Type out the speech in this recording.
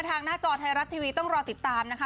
หน้าจอไทยรัฐทีวีต้องรอติดตามนะคะ